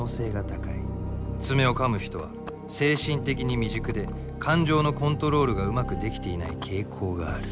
爪をかむ人は精神的に未熟で感情のコントロールがうまくできていない傾向がある。